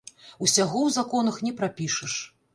Усяго ў законах не прапішаш.